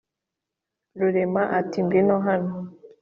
rurema ati ngwino hano